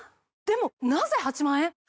でもなぜ８万円？